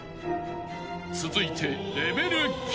［続いて］